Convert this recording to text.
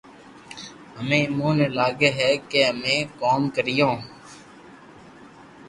ھمي ايمون ني لاگي ھي ڪي امي ڪوم ڪريو